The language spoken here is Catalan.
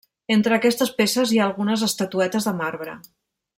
Entre aquestes peces hi ha algunes estatuetes de marbre.